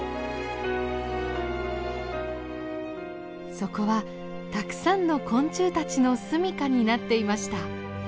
そこはたくさんの昆虫たちの住みかになっていました。